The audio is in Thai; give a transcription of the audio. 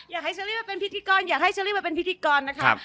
เชอรี่มาเป็นพิธีกรอยากให้เชอรี่มาเป็นพิธีกรนะครับ